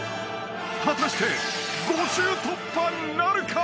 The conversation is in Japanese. ［果たして５周突破なるか？］